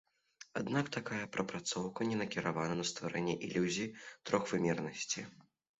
Аднак такая прапрацоўка не накіраваная на стварэнне ілюзіі трохвымернасці.